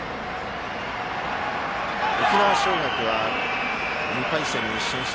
沖縄尚学は２回戦に進出。